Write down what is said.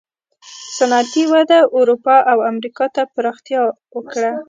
صنعتي وده اروپا او امریکا ته پراختیا وکړه.